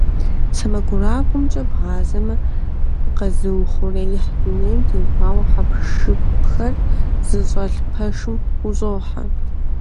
СэмэгурабгъумкӀэ бгъазэмэ, дыкъэзыухъуреихь дунейм теухуа хьэпшыпхэр зыщӏэлъ пэшым ущӀохьэ.